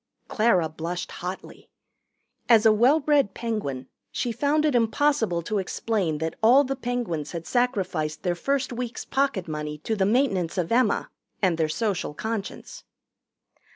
Clara blushed hotly. As a well bred Penguin, she found it impossible to explain that all the Penguins had sacrificed their first week's pocket money to the maintenance of Emma and their Social Conscience.